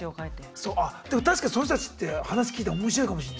あっでも確かにその人たちって話聞いたら面白いかもしんない。